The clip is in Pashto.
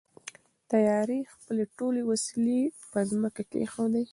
تیارې خپلې ټولې وسلې په ځمکه کېښودلې.